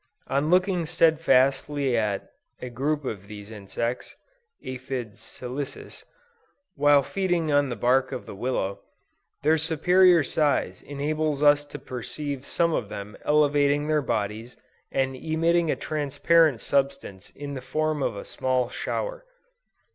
On looking steadfastly at a group of these insects (Aphides Salicis) while feeding on the bark of the willow, their superior size enables us to perceive some of them elevating their bodies and emitting a transparent substance in the form of a small shower."